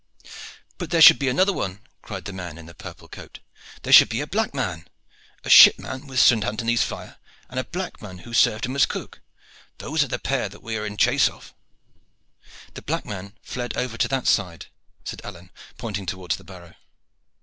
"But there should be another one," cried the man in the purple coat. "There should be a black man. A shipman with St. Anthony's fire, and a black man who had served him as cook those are the pair that we are in chase of." "The black man fled over to that side," said Alleyne, pointing towards the barrow.